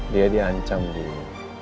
dia di ancam dia